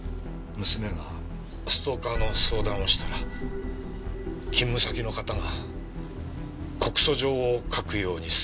娘がストーカーの相談をしたら勤務先の方が告訴状を書くように勧めてくれたと言っていました。